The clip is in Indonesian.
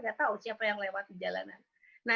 nggak tahu siapa yang lewat di jalanan